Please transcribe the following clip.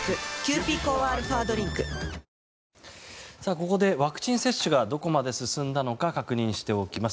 ここでワクチン接種がどこまで進んだのか確認しておきます。